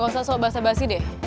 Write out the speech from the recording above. gak usah sok bahasa basi deh